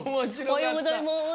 「おはようございますー」。